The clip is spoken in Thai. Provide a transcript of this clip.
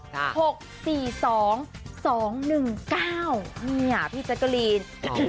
นี่พี่เจ๊กรีน